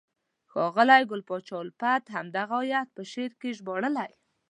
ښاغلي ګل پاچا الفت همدغه آیت په شعر کې ژباړلی: